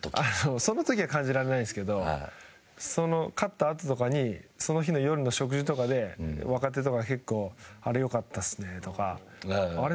その時は感じられないですけど勝ったあととかにその日の夜の食事とかで若手とか結構あれよかったっすねとかあれ、